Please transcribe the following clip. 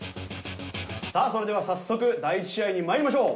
さあそれでは早速第一試合に参りましょう。